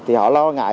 thì họ lo ngại